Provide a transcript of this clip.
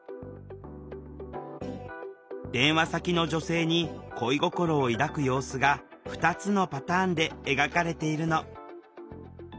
電話先の女性に恋心を抱く様子が２つのパターンで描かれているの。